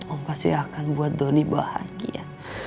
om pasti akan buat doni bahagia